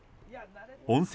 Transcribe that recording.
温泉